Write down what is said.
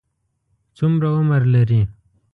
څومره عمر لري؟